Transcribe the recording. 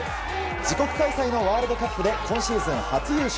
自国開催のワールドカップで今シーズン初優勝。